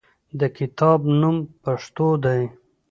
د کتاب نوم "پښتو" دی.